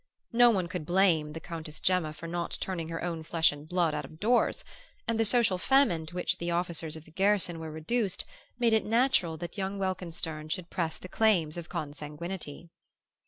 No one could blame the Countess Gemma for not turning her own flesh and blood out of doors; and the social famine to which the officers of the garrison were reduced made it natural that young Welkenstern should press the claims of consanguinity.